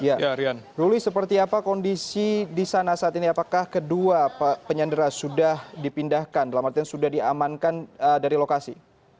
artinya sudah diamankan dari lokasi